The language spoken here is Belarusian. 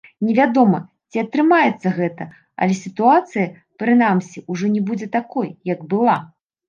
Невядома, ці атрымаецца гэта, але сітуацыя, прынамсі, ужо не будзе такой, як была.